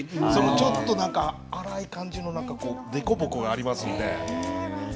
ちょっと粗い感じのなんか凸凹がありますね。